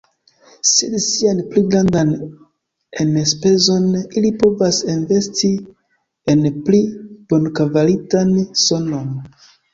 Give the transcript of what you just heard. Sed sian pli grandan enspezon ili povas investi en pli bonkvalitan sonon.